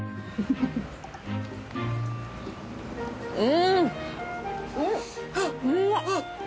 うん。